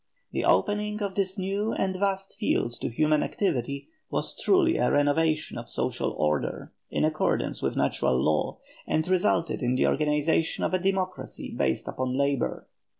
The opening of this new and vast field to human activity, was truly a renovation of social order in accordance with natural law, and resulted in the organization of a democracy based upon labour.